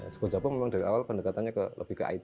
sekolah jawa pun dari awal pendekatannya lebih ke it